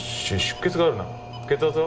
血圧は？